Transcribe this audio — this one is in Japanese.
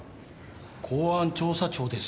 公安調査庁です。